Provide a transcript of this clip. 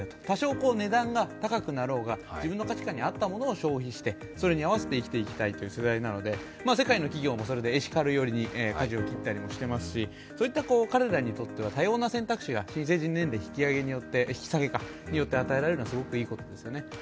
多少値段が高くなろうが、自分の価値観に合ったものを消費してそれに合わせて生きていきたいという世代なので世界の企業もそれでエシカル寄りにかじを切ったりしていますしそういった彼らによっては多様な選択肢が新成人年齢引き下げによって与えられるのはすごくいいことですよね。